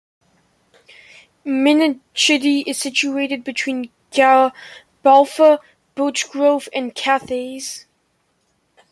Mynachdy is situated between Gabalfa, Birchgrove and Cathays.